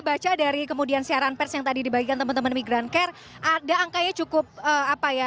baca dari kemudian siaran pers yang tadi dibagikan teman teman migrancare ada angkanya cukup apa ya